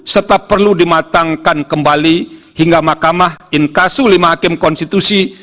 serta perlu dimatangkan kembali hingga mahkamah inkasu lima hakim konstitusi